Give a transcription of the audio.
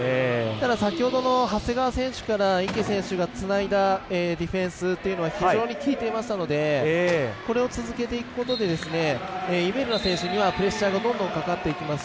先ほどの長谷川選手から池選手がつないだディフェンスというのは効いていましたのでこれを続けていくことでイベルナ選手にはプレッシャーがどんどんかかっていきます